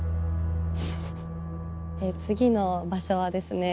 次の場所はですね